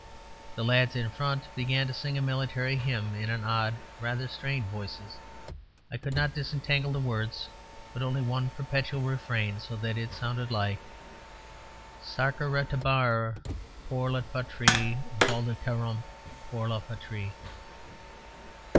The lads in front began to sing a military hymn in odd, rather strained voices; I could not disentangle the words, but only one perpetual refrain; so that it sounded like Sacrarterumbrrar pour la patrie, Valdarkararump pour la patrie.